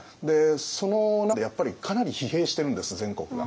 その中でやっぱりかなり疲弊してるんです全国が。